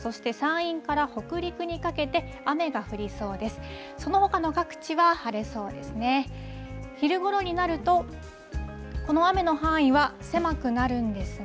そのほかの各地は晴れそうですね。